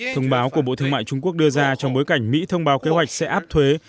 thông báo của bộ thương mại trung quốc đưa ra trong bối cảnh mỹ thông báo kế hoạch sẽ áp thuế